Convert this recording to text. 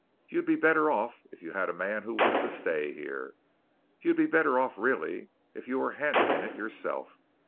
You'd be better off if you had a man who wanted to stay here. You'd be better off really if you were handling it yourself.